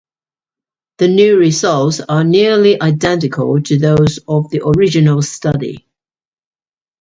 The new results are nearly identical to those of the original study.